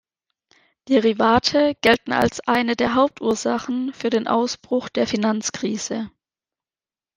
Derivate gelten als eine der Hauptursachen für den Ausbruch der Finanzkrise.